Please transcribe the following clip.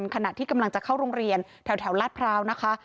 ขณะที่กำลังจะเข้าโรงเรียนแถวลาดพร้าวนะคะ